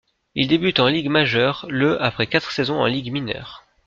Il débute en Ligue majeure le après quatre saisons en Ligues mineures.